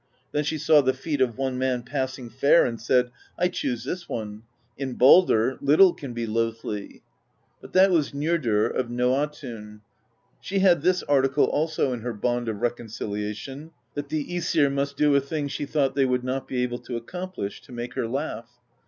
Then she saw the feet of one man, passing fair, and said: "I choose this one : in Baldr little can be loathly." But that was Njordr of Noatiin. She had this article also in her bond of reconcil iation : that the ^sir must do a thing she thought they would not be able to accomplish: to make her laugh.